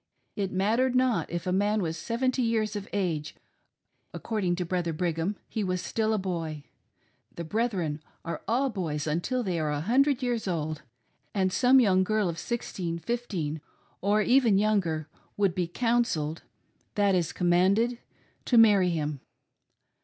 It mattered not if a man was seventy years of age, according to Brother Brigham he was still a boy — "the brethren are all boys until they are a hundred years old" — and some young girl of sixteen, fifteen, or even younger would be "counselled" — that is, commanded — to marry him.